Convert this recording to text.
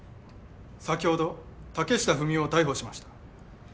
先ほど竹下文雄を逮捕しました。